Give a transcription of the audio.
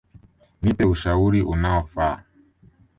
Nipe ushauri unaofa.